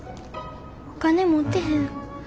お金持ってへん。